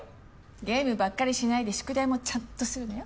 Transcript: ゲームばっかりしないで宿題もちゃんとするのよ。